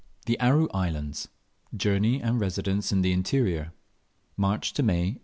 THE ARU ISLANDS. JOURNEY AND RESIDENCE IN THE INTERIOR. (MARCH TO MAY 1857.)